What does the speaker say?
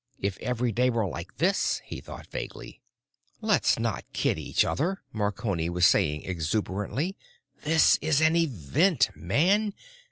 If every day were like this, he thought vaguely.... "Let's not kid each other," Marconi was saying exuberantly. "This is an event, man!